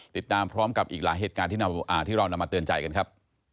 ติดตามพร้อมกับอีกหลายเหตุการณ์ที่เรานำมาเตือนใจกันครับ